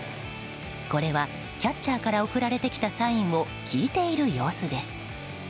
これは、キャッチャーから送られてきたサインを聞いているようです。